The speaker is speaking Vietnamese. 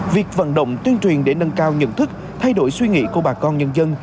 việc vận động tuyên truyền để nâng cao nhận thức thay đổi suy nghĩ của bà con nhân dân